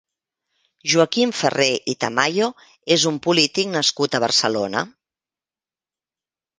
Joaquim Ferrer i Tamayo és un polític nascut a Barcelona.